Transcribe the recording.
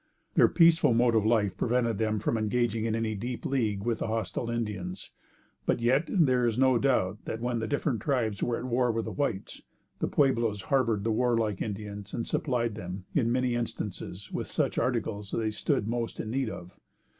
Their peaceful mode of life prevented them from engaging in any deep league with the hostile Indians; but yet, there is no doubt that when the different tribes were at war with the whites, the Pueblos harbored the warlike Indians and supplied them, in many instances, with such articles as they stood most in need of.